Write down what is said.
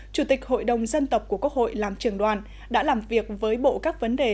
chủ tịch hội đồng dân tộc của quốc hội làm trường đoàn đã làm việc với bộ các vấn đề